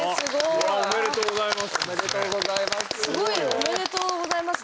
おめでとうございます。